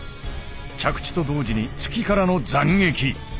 着地と同時に「突き」からの斬撃。